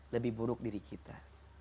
lebih buruk diri kita